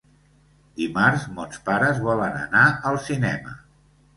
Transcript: Dimarts mons pares volen anar al cinema.